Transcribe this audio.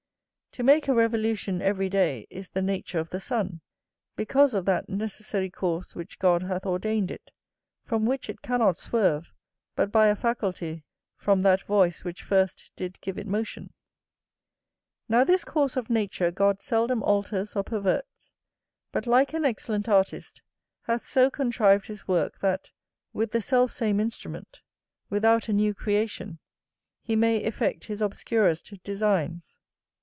To make a revolution every day is the nature of the sun, because of that necessary course which God hath ordained it, from which it cannot swerve but by a faculty from that voice which first did give it motion. Now this course of nature God seldom alters or perverts; but, like an excellent artist, hath so contrived his work, that, with the self same instrument, without a new creation, he may effect his obscurest designs.